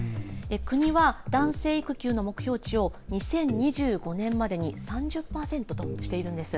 国は男性育休の目標値を２０２５年までに３０％としているんです。